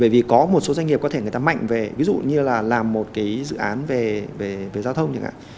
vì có một số doanh nghiệp có thể mạnh về ví dụ như là làm một dự án về giao thông